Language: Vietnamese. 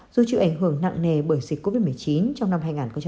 dù chịu ảnh hưởng nặng nề bởi dịch covid một mươi chín trong năm hai nghìn hai mươi